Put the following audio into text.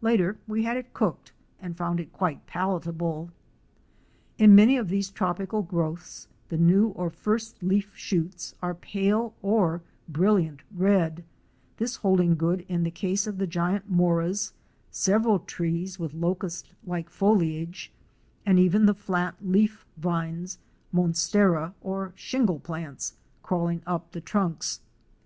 Later we had it cooked and found it quite palatable. In many of these tropical growths the new or first leaf shoots are pale or brilliant red, this holding good in the case of the giant moras, several trees with locust like foliage, and even the flat, leaf vines, Monstera or shingle plants, crawling up the trunks.